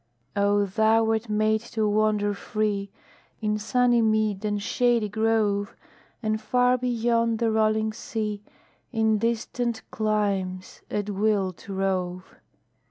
Oh, thou wert made to wander free In sunny mead and shady grove, And far beyond the rolling sea, In distant climes, at will to rove!